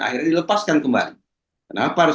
akhirnya dilepaskan kembali kenapa harus